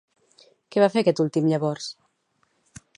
Què va fer aquest últim, llavors?